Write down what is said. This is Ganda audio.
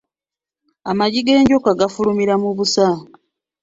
Amagi g’enjoka gafulumira mu busa.